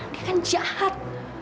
dia kan jahat